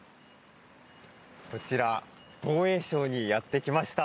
防衛省にやって来ました。